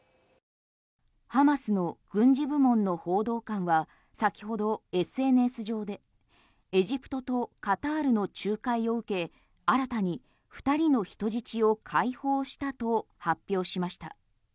ハマスの軍事部門の報道官は先ほどＳＮＳ上でエジプトとカタールの仲介を受け新たに２人の人質を解放したと発表しました。